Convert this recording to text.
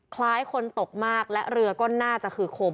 คล้ายคนตกมากและเรือก็น่าจะคือคม